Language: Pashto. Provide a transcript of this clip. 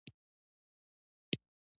ځینې محصولات دوه ډوله کاریدای شي.